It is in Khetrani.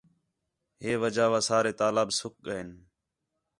ہِے وجہ وا سارے تالاب سُک ڳئین